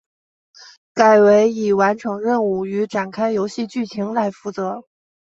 改为以完成任务与展开游戏剧情来负责。